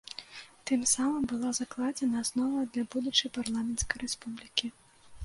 Тым самым была закладзена аснова для будучай парламенцкай рэспублікі.